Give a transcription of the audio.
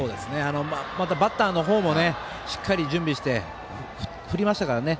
またバッターのほうもしっかり準備して振りましたからね。